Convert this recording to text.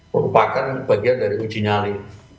merupakan bagian dari uji nyali